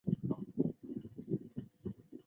之后连任开封市第十三届人大常委会副主任。